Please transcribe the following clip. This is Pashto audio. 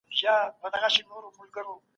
هغې خپل بدن ته پام کوو.